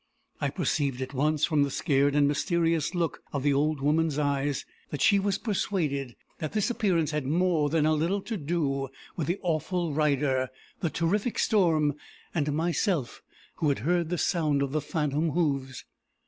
I perceived at once, from the scared and mysterious look of the old woman's eyes, that she was persuaded that this appearance had more than a little to do with the awful rider, the terrific storm, and myself who had heard the sound of the phantom hoofs.